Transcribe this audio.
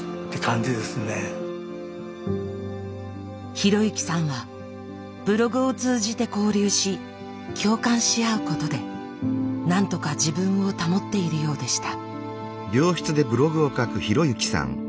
啓之さんはブログを通じて交流し共感し合うことで何とか自分を保っているようでした。